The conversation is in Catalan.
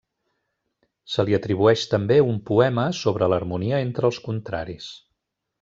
Se li atribueix també un poema sobre l'harmonia entre els contraris.